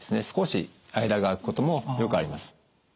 少し間が空くこともよくあります。